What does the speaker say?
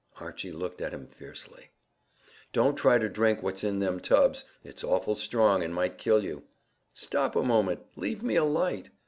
Archy looked at him fiercely. "Don't try to drink what's in them tubs. It's awful strong, and might kill you." "Stop a moment; leave me a light."